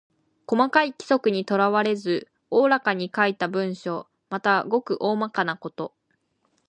細かい規則にとらわれず大らかに書いた文章。また、ごく大まかなこと。